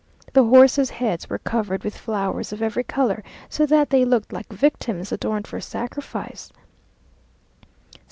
The horses' heads were covered with flowers of every colour, so that they looked like victims adorned for sacrifice.